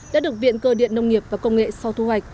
đã được viện cơ điện nông nghiệp và công nghệ sau thu hoạch